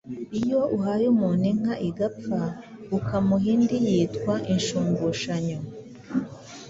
Iyo uhaye umuntu inka igapfa ukamuha indi yitwa Inshumbushanyo